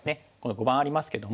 碁盤ありますけども。